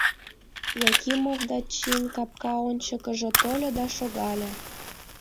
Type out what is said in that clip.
Яким Овдачин капка ончыкыжо тольо да шогале.